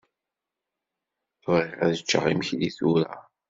Bɣiɣ ad ččeɣ imekli tura.